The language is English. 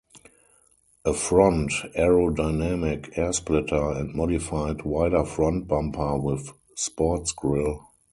A front aerodynamic air splitter and modified wider front bumper with sports grill.